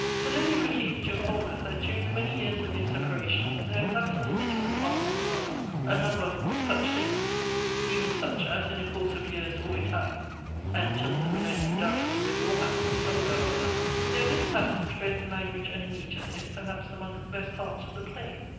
The lady proceeds to inform us that during the many years of their separation, there have happened in the different parts of the world, a number of "such things;" even such, as in a course of years always have, and till the Millennium, doubtless always will happen somewhere or other. Yet this passage, both in language and in metre, is perhaps amongst the best parts of the play.